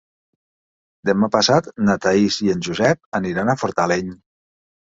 Demà passat na Thaís i en Josep aniran a Fortaleny.